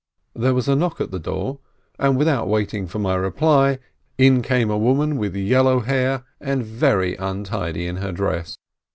There was a knock at the door, and without waiting for my reply, in came a woman with yellow hair, and very untidy in her dress.